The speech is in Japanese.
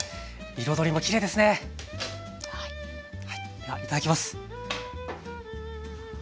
ではいただきます。